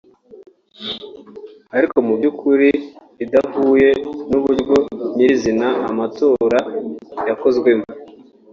ariko mu by’ukuri idahuye n’uburyo nyirizina amatora yakozwemo